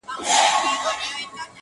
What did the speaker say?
كله!!ناكله غلتيږي څــوك غوصه راځـي!!